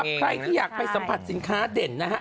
ใครที่อยากไปสัมผัสสินค้าเด่นนะฮะ